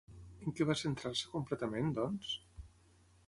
En què va centrar-se completament, doncs?